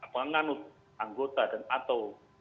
penganut anggota dan atau